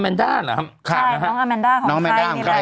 ใช่น้องอาแมนด้าของไทย